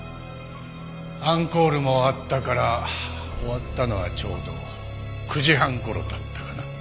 アンコールもあったから終わったのはちょうど９時半頃だったかな。